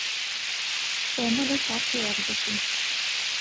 ئێمە لەو پارکە یاری دەکەین.